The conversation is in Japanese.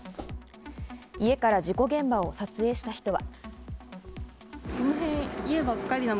家から事故現場を撮影した人は。